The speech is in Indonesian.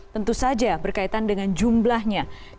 tentu saja berkaitan dengan jumlahnya